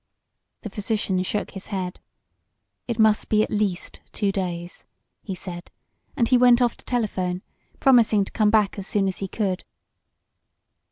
The physician shook his head. "It must be at least two days," he said, and he went off to telephone, promising to come back as soon as he could.